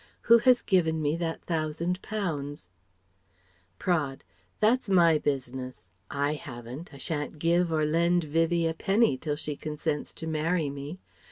Who has given me that thousand pounds?" Praed: "That's my business: I haven't! I shan't give or lend Vivie a penny till she consents to marry me.